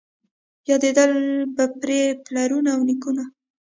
یادېدل به پرې پلرونه او نیکونه